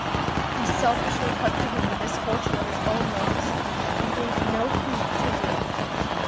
He selfishly hugged to him the misfortune of his own loss and gave no heed to Ruth.